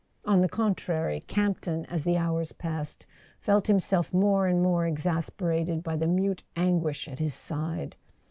On the contrary, Campton, as the hours passed, felt himself more and more exasperated by the mute anguish at his side.